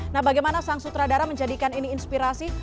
nah bagaimana sang sutradara menjadikan ini inspirasi